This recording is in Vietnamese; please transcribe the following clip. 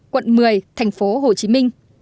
quận một mươi tp hcm